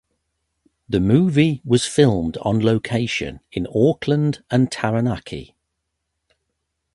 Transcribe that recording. The movie was filmed on location in Auckland and Taranaki.